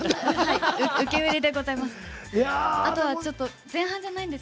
受け売りでございます。